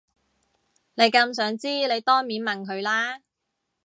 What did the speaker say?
你咁想知你當面問佢啦